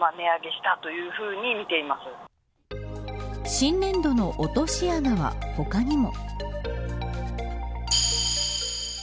新年度の落とし穴は他にも。